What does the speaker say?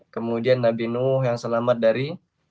kemudian nabi nuh yang selamat dari